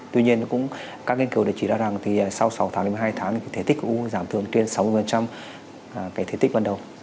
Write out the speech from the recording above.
tuy nhiên cũng các nghiên cứu đã chỉ ra rằng thì sau sáu tháng đến một mươi hai tháng thì thể tích của u giảm thường trên sáu mươi cái thể tích ban đầu